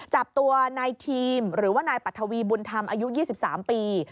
จับตัวนายทีมหรือว่านายปัทวีบุญธรรมอายุ๒๓ปี